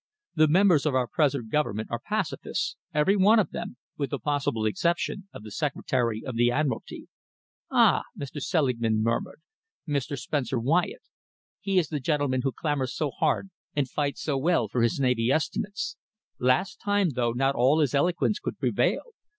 The members of our present Government are pacifists, every one of them, with the possible exception of the Secretary of the Admiralty." "Ah!" Mr. Selingman murmured. "Mr. Spencer Wyatt! He is the gentleman who clamours so hard and fights so well for his navy estimates. Last time, though, not all his eloquence could prevail.